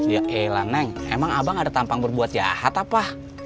yaelah neng emang abang ada tampang berbuat jahat apa